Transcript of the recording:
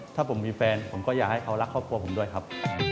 ถ้าผมมีแฟนผมก็อยากให้เขารักครอบครัวผมด้วยครับ